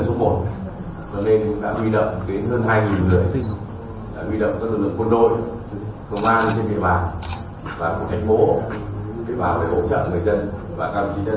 cho nên cũng đã huy động đến hơn hai người huy động các lực lượng quân đội công an trên địa bàn